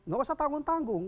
gak usah tanggung tanggung